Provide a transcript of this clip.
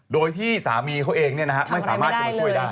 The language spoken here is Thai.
โดยที่สามีเขาเองไม่สามารถจะมาช่วยได้